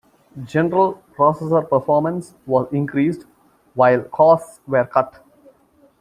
General processor performance was increased while costs were cut.